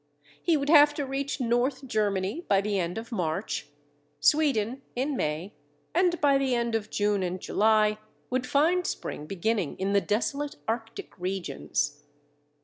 He would have to reach North Germany by the end of March, Sweden in May, and by the end of June and July would find spring beginning in the desolate Arctic regions.